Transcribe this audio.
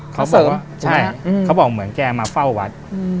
เขาบอกว่าเหมือนแกมาเฝ้าวัด